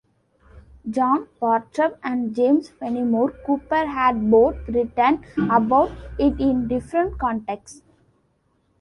John Bartram and James Fenimore Cooper had both written about it in different contexts.